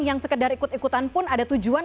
yang sekedar ikut ikutan pun ada tujuan